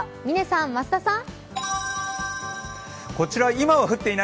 嶺さん、増田さん。